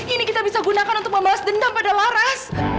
ini kita bisa gunakan untuk membahas dendam pada laras